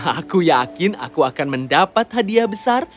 aku yakin aku akan mendapat hadiah besar